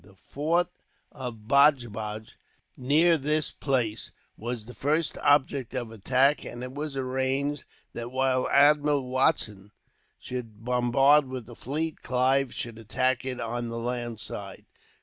The fort of Baj baj, near this place, was the first object of attack; and it was arranged that, while Admiral Watson should bombard with the fleet, Clive should attack it on the land side.